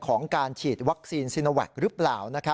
ของการฉีดวัคซีนซีโนแวคหรือเปล่า